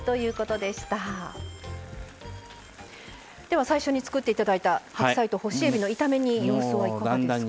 では最初に作って頂いた白菜と干しえびの炒め煮様子はいかがですか？